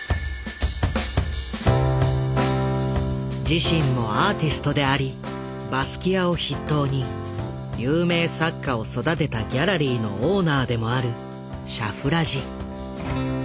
自身もアーティストでありバスキアを筆頭に有名作家を育てたギャラリーのオーナーでもあるシャフラジ。